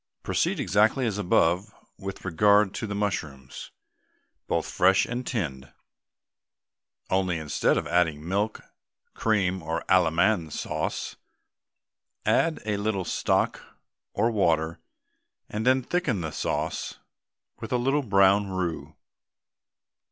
Proceed exactly as above with regard to the mushrooms, both fresh and tinned, only instead of adding milk, cream, or Allemande sauce, add a little stock or water, and then thicken the sauce with a little brown roux.